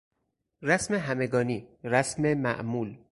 رسم همگانی، رسم معمول